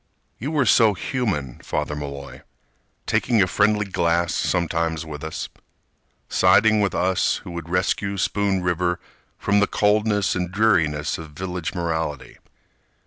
You were so human, Father Malloy, Taking a friendly glass sometimes with us, Siding with us who would rescue Spoon River From the coldness and the dreariness of village morality.